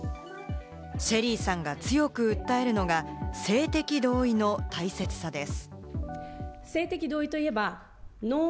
ＳＨＥＬＬＹさんが強く訴えるのが性的同意の大切さです。